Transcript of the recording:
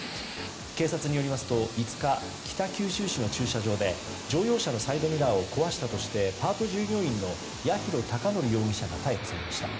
警察によりますと５日、北九州市の駐車場で乗用車のサイドミラーを壊したとしてパート従業員の八尋孝則容疑者が逮捕されました。